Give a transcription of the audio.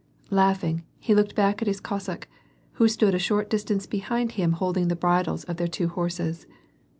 Laughing, lie looked back at his Cossack, who stood a short distance behind him holding the bridles of their two horses.